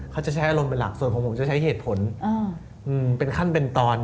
เขาจะใช้อารมณ์เป็นหลักส่วนของผมจะใช้เหตุผลเป็นขั้นเป็นตอน